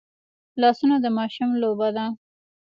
لاسونه د ماشوم لوبه ده